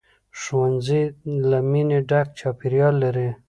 ښوونځی له مینې ډک چاپېریال لري